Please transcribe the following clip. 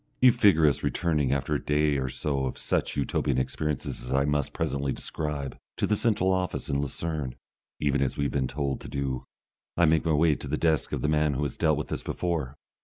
You figure us returning after a day or so of such Utopian experiences as I must presently describe, to the central office in Lucerne, even as we have been told to do. I make my way to the desk of the man who has dealt with us before.